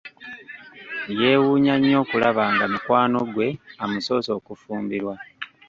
Yeewuunya nnyo okulaba nga mukwano gwe amusoose okufumbirwa!